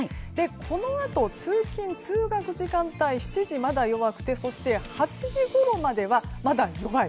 このあと通勤・通学時間帯の７時はまだ弱くてそして８時ごろまではまだ弱い。